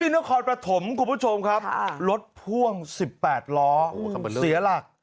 นครปฐมคุณผู้ชมครับรถพ่วง๑๘ล้อเสียหลัก